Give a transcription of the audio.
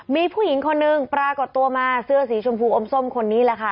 มีผู้หญิงคนนึงปรากฏตัวมาเสื้อสีชมพูอมส้มคนนี้แหละค่ะ